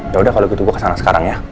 yaudah kalau gitu gue kesana sekarang ya